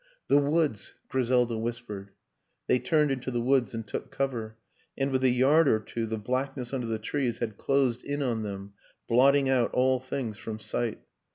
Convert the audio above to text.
' The woods," Griselda whispered. They turned into the woods and took cover; and, with a yard or two, the blackness under the trees had closed in on them, blotting out all things from sight.